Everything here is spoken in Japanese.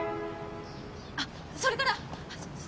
あっそれから。